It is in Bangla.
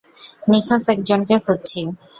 নিখোঁজ একজনকে খুঁজছি।